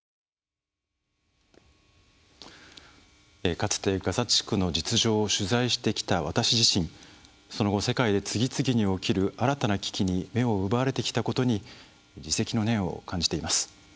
かつてガザ地区の実情を取材してきた私自身その後、世界で次々に起きる新たな危機に目を奪われてきたことに自責の念を感じています。